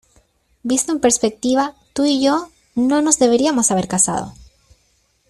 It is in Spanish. Visto en perspectiva, tú y yo no nos deberíamos haber casado.